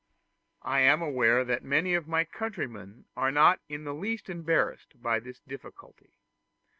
I am aware that many of my countrymen are not in the least embarrassed by this difficulty.